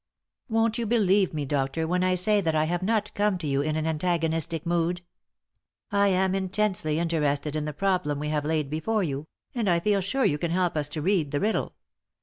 "Won't you believe me, doctor, when I say that I have not come to you in an antagonistic mood? I am intensely interested in the problem we have laid before you and I feel sure you can help us to read the riddle.